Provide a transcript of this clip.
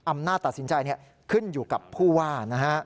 อำนาจตัดสินใจขึ้นอยู่กับผู้ว่านะฮะ